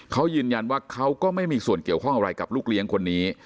เขายืนยันว่าเขาก็ไม่มีส่วนเกี่ยวข้องอะไรกับลูกเลี้ยงคนนี้